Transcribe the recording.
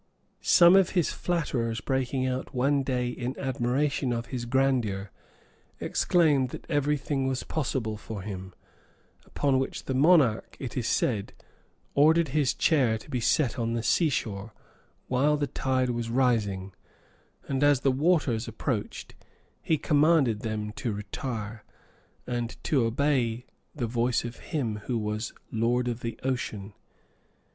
Some of his flatterers breaking out one day in admiration of his grandeur, exclaimed that every thing was possible for him; upon which the monarch, it is said, ordered his chair to be set on the sea shore, while the tide was rising; and as the waters approached, he commanded them to retire, and to obey the voice of him who was lord of the ocean.